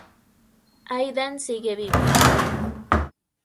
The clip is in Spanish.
Aidan sigue vivo.